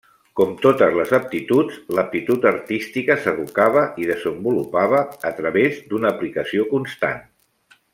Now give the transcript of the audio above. Com totes les aptituds, l'aptitud artística s'educava i desenvolupava a través d'una aplicació constant.